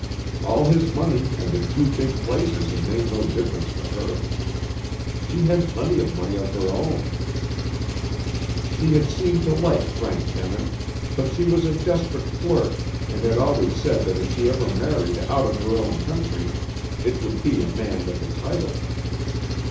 All his money and the two big places had made no difference to her. She had plenty of money of her own. She had seemed to like Frank Denin, but she was a desperate flirt and had always said that if she ever married out of her own country, it would be a man with a title.